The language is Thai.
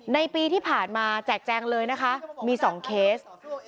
ในปีที่ผ่านมาแจกแจงเลยนะคะมี๒เคส